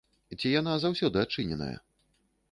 Ці яна заўсёды адчыненая?